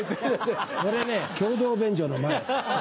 俺ね共同便所の前。